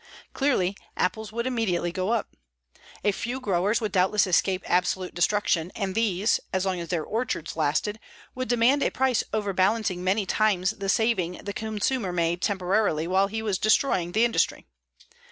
Clearly apples would immediately go up. A few growers would doubtless escape absolute destruction and these, as long as their orchards lasted, would demand a price overbalancing many times the saving the consumer made temporarily while he was destroying the industry.